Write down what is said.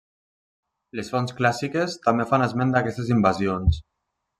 Les fonts clàssiques també fan esment d'aquestes invasions.